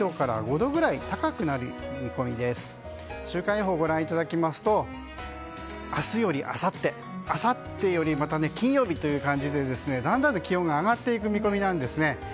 週間予報をご覧いただきますと明日よりあさってあさってよりまた金曜日という感じでだんだんと気温が上がっていく見込みなんです。